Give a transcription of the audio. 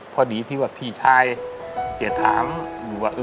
พอดีที่พี่ชายเจอถามว่า